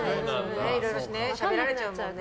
いろいろしゃべられちゃうもんね。